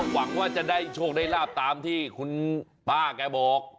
หวังว่าจะได้โชคได้ลาบตามที่คุณป้าแกบอก